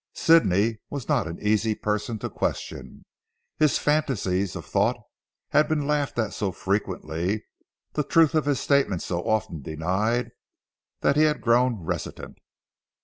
Sidney was not an easy person to question. His fantasies of thought, had been laughed at so frequently, the truth of his statements so often denied, that he had grown reticent.